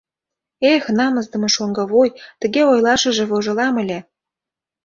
Эх, намысдыме шоҥго вуй... тыге ойлашыже вожылам ыле.